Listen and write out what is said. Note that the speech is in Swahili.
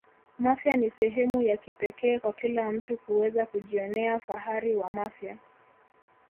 mafia ni sehemu ya kipekee kwa kila mtu kuweza kujionea fahari wa mafia